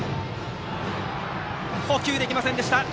捕球できませんでした。